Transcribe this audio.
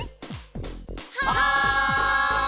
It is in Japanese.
はい！